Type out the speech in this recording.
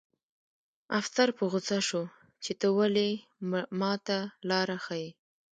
افسر په غوسه شو چې ته ولې ماته لاره ښیې